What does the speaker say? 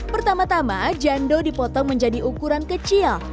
pertama tama jando dipotong menjadi ukuran kecil